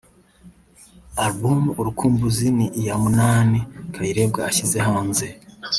Album ‘Urukumbuzi’ ni iya munani Kayirebwa ashyize hanze